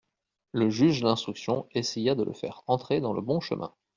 Le juge d'instruction essaya de le faire rentrer dans le bon chemin.